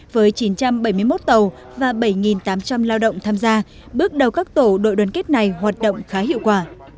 từ khi tổ đội tàu và bảy tám trăm linh lao động tham gia bước đầu các tổ đội đoàn kết này hoạt động khá hiệu quả